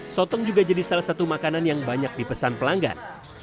sotong juga jadi salah satu makanan yang banyak dipesan pelanggan